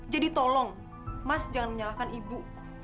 jadi tolong mas jangan menyalahkan ibu